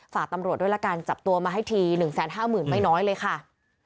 ฝากตำรวจด้วยละกันจับตัวมาให้ที๑๕๐๐๐ไม่น้อยเลยค่ะ